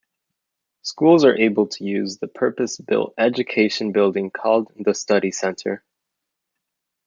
Schools are able to use the purpose-built education building called the Study Centre.